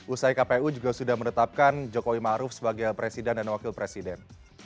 usai kpu juga sudah menetapkan jokowi maruf sebagai presiden dan wakil presiden